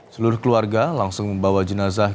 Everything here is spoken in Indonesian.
seluruh keluarga langsung membawa jenazah